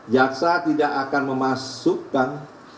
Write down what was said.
jaksa tidak akan memasukkan